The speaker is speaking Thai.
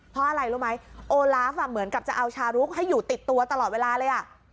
เพราะอะไรรู้ไหมโอลาฟเหมือนกับจะเอาชารุกให้อยู่ติดตัวตลอดเวลาเลยอ่ะ